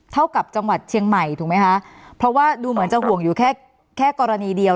เท่ากับจังหวัดเชียงใหม่ถูกไหมคะเพราะว่าดูเหมือนจะห่วงอยู่แค่แค่กรณีเดียว